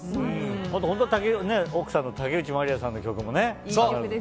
あと奥さんの竹内まりやさんの曲もね。